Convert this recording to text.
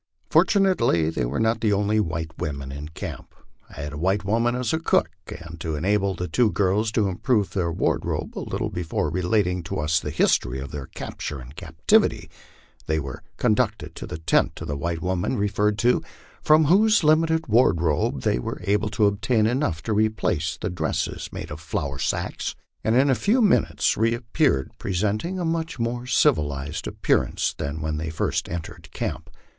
Fortunately they were not the only white women in camp. I had a white woman as cook, and to enable the two girls to improve their wardrobe a little before relating to us the history of their capture and captivity, they were con ducted to the tent of the white woman referred to, from whose limited ward robe they were able to obtain enough to replace the dresses made of flour sacks, and in a few minutes reappeared presenting a much more civilized ap pearance than when they first entered camp.